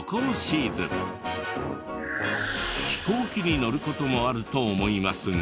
飛行機に乗る事もあると思いますが。